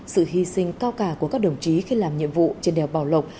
sự hy sinh cao cả của các đồng chí khi làm nhiệm vụ trên đèo bảo lộc